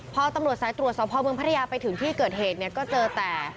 พอตำรวจสายตรวจสอบพ่อเมืองพัทยาไปถึงที่เกิดเหตุเนี่ยก็เจอแต่